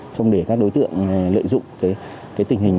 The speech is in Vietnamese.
không để các đối tượng lợi dụng tình hình